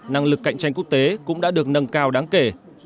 năng lực cạnh tranh quốc tế cũng đã được nâng cao đáng kể